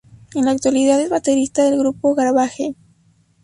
En la actualidad es baterista del grupo Garbage.